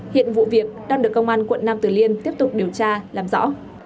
hiện vụ việc đang được công an quận nam tử liêm tiếp tục điều tra làm rõ